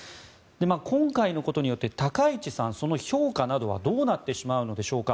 今回のことによって高市さんその評価などはどうなってしまうのでしょうか。